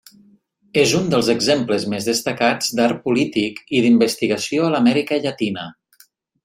És un dels exemples més destacats d’art polític i d’investigació a l’Amèrica Llatina.